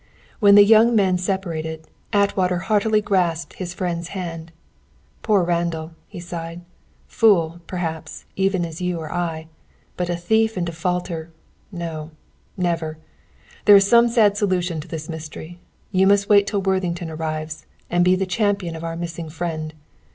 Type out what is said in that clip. When the young men separated, Atwater heartily grasped his friend's hand. "Poor Randall," he sighed. "Fool, perhaps, even as you or I; but thief and defaulter, no; never. There is some sad solution to this mystery. You must wait till Worthington arrives, and be the champion of our missing friend.